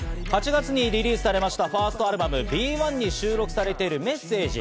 ８月にリリースされましたファーストアルバム『ＢＥ：１』に収録されている『Ｍｅｓｓａｇｅ』。